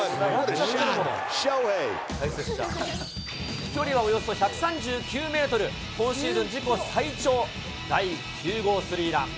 飛距離はおよそ１３９メートル、今シーズン自己最長、第９号スリーラン。